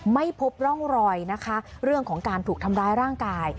ไม่พบร่องรอยนะคะเรื่องของการถูกทำร้ายร่างกาย